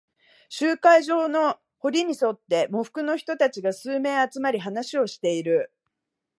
集会所の塀に沿って、喪服の人たちが数名集まり、話をしている。